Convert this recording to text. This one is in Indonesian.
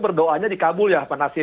berdoanya di kabul ya pak nasir